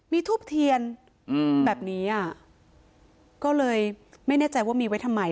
มีทูบเทียนแบบนี้อ่ะก็เลยไม่แน่ใจว่ามีไว้ทำไม